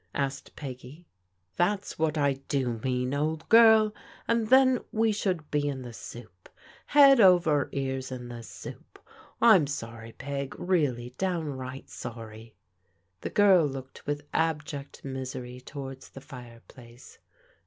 asked Peggy. That's what I do mean, old girl, and theti 'w^ %\ia\i!A M 262 PBODIGAL DAUGHTEBS be in the soup — ^head over ears in the soup. I'm sorry, Peg, really downright sorry." The girl looked with abject misery towards the fire place.